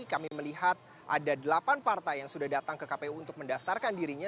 kami melihat ada delapan partai yang sudah datang ke kpu untuk mendaftarkan dirinya